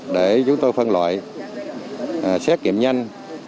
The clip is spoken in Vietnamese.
để chúng tôi phân loại xét nghiệm nhanh